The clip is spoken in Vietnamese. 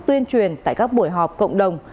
tuyên truyền tại các buổi họp cộng đồng